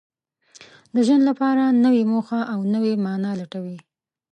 د ژوند لپاره نوې موخه او نوې مانا لټوي.